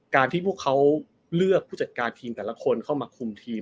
การที่พวกเขาเลือกผู้จัดการทีมแต่ละคนเข้ามาคุมทีม